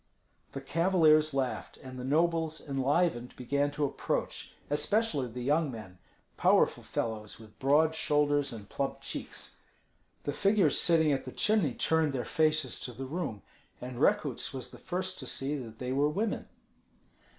The cavaliers laughed, and the nobles, enlivened, began to approach, especially the young men, powerful fellows with broad shoulders and plump cheeks. The figures sitting at the chimney turned their faces to the room, and Rekuts was the first to see that they were women.